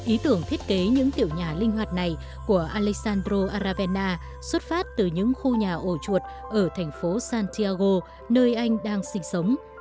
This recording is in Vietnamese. ý tưởng thiết kế những tiểu nhà linh hoạt này của alexandro aravena xuất phát từ những khu nhà ổ chuột ở thành phố santiago nơi anh đang sinh sống